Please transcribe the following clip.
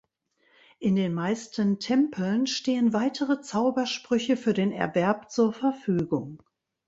In den meisten Tempeln stehen weitere Zaubersprüche für den Erwerb zur Verfügung.